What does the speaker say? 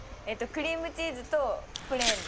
クリームチーズとプレーンです。